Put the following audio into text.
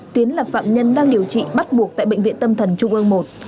tiến là phạm nhân đang điều trị bắt buộc tại bệnh viện tâm thần trung ương một